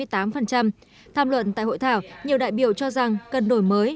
tham luận tại hội thảo nhiều đại biểu cho rằng cần đổi mới